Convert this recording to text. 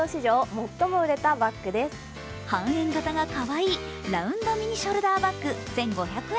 半円型がかわいい、ラウンドミニショルダーバッグ１５００円。